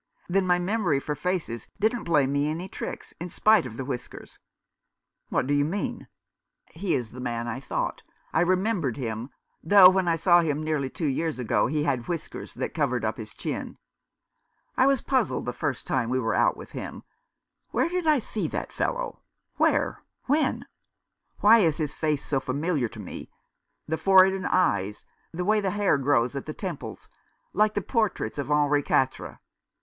" Then my memory for faces didn't play me any tricks — in spite of the whiskers." "What do you mean ?"" He is the man I thought. I remembered him — though when I saw him nearly two years ago he had whiskers that covered up his chin. I was puzzled the first time we were out with him. Where did I see that fellow — where — when ? Why is his face so familiar to me — the forehead and eyes, the way the hair grows at the temples, like the portraits of Henri Ouatre